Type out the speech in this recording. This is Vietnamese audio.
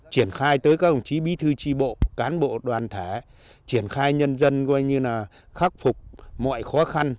triển khai tới các đồng chí bí thư tri bộ cán bộ đoàn thể triển khai nhân dân coi như là khắc phục mọi khó khăn